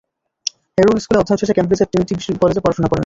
Harrow স্কুলে অধ্যয়ন শেষে কেমব্রিজের ট্রিনিটি কলেজে পড়াশুনো করেন।